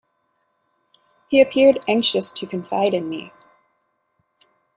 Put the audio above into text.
He appeared anxious to confide in me.